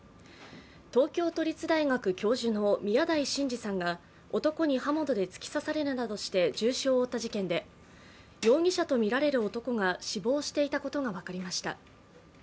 東京都立大学教授の宮台真司さんが男に刃物で突き刺されるなどして重傷を負った事件で、容疑者とみられる男が死亡していたことが分かりました。